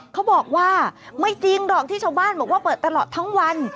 เขาบอกว่าไม่จริงหรอกที่ชาวบ้านบอกว่าเปิดตลอดทั้งวัน